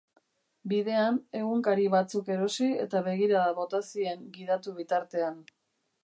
Bidean egunkari batzuk erosi eta begirada bota zien gidatu bitartean.